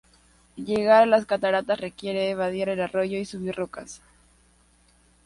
Llegar a las cataratas requiere vadear el arroyo y subir rocas.